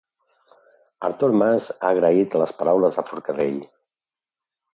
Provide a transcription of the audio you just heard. Artur Mas ha agraït les paraules de Forcadell